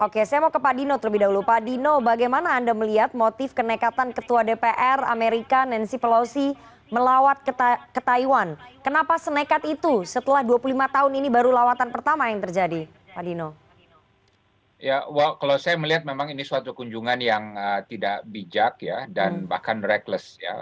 kalau saya melihat memang ini suatu kunjungan yang tidak bijak dan bahkan reckless